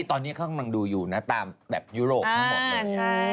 ตอนนี้เขากำลังดูอยู่นะตามแบบยุโรปทั้งหมดเลย